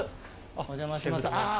お邪魔しますあっ。